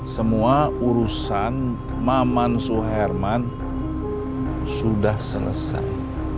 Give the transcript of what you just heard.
semua urusan maman suherman sudah selesai